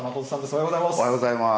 おはようございます。